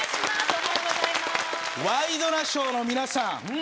ワイドナショーの皆さん。